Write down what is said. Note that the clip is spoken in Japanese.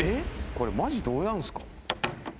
これマジどうやるんすか？